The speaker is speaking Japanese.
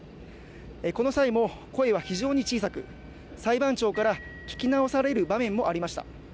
この際も声は非常に小さく裁判長から聞き直される場面もありました